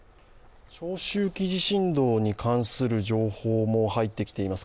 長周期地震動に関する情報も入ってきています。